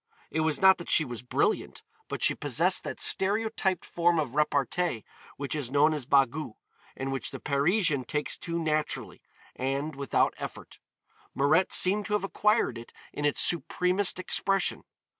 It was not that she was brilliant, but she possessed that stereotyped form of repartee which is known as bagou, and which the Parisian takes to naturally and without effort. Mirette seemed to have acquired it in its supremest expression.